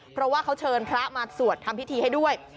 เพราะว่าเขาเชิญพระมาสวดทำพิธีให้ด้วย